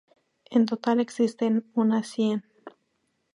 En total existen unas cien.